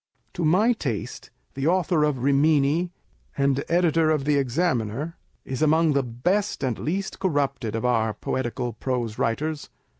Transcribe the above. To my taste, the Author of Rimini, and Editor of the Examiner,2 is among the best and least corrupted of our poetical prose writers.